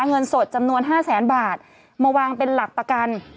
เงินสดจำนวน๕แสนบาทมาวางเป็นหลักประกัน